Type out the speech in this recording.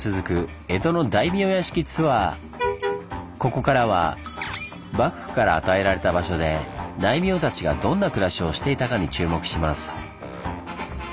ここからは幕府から与えられた場所で大名たちがどんな暮らしをしていたかに注目します。